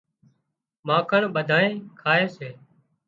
مانکڻ ٻڌانئين کائي سي